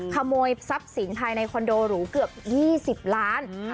ขโมยทรัพย์สินภายในคอนโดหรูเกือบ๒๐ล้าน